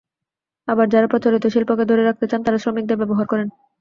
আবার যাঁরা প্রচলিত শিল্পকে ধরে রাখতে চান, তাঁরা শ্রমিকদের ব্যবহার করেন।